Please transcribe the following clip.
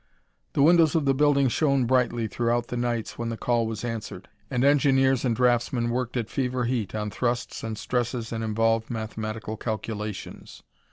The windows of the building shone brightly throughout the nights when the call was answered, and engineers and draftsmen worked at fever heat on thrusts and stresses and involved mathematical calculations.